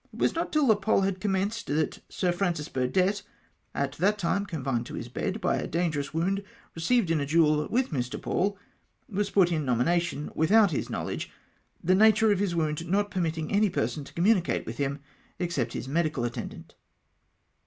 It was not tiU the poll had commenced, that Sir Francis Bm'dett — at that time confined to his bed by a dangerous wound received in a duel with ]\Ii . Paid — was put in nomination, mthout his knowledge, the nature of his wound not permitting any person to communicate with him, except his medical attendant.